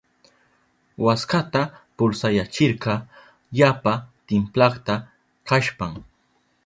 Waskata pulsayachirka yapa timplakta kashpan.